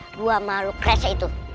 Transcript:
dua makhluk keras itu